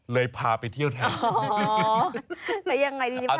เลยพาไปเที่ยวทาน